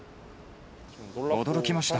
驚きました。